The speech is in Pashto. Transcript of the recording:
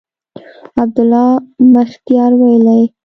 عبدالله مختیار ویلي